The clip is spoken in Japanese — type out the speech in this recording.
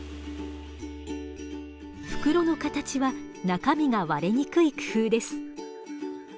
袋の形は中身が割れにくい工夫です。